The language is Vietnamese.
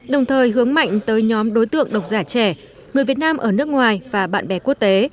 đồng thời hướng mạnh tới nhóm đối tượng độc giả trẻ người việt nam ở nước ngoài và bạn bè quốc tế